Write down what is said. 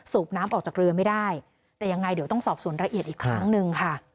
น้ำออกจากเรือไม่ได้แต่ยังไงเดี๋ยวต้องสอบสวนละเอียดอีกครั้งหนึ่งค่ะ